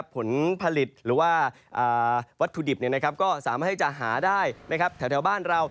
ผลผลิตหรือว่าวัตถุดิบก็สามารถให้จะหาได้แถวบ้านเรา